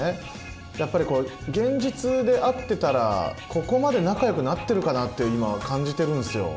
やっぱりこう現実で会ってたらここまで仲良くなってるかなって今感じてるんすよ。